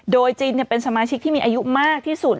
โดยจีนเป็นสมาชิกที่มีอายุมากที่สุด